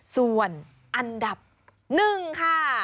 ส่วนอันดับหนึ่งค่ะ